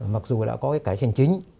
mặc dù đã có cái trành chính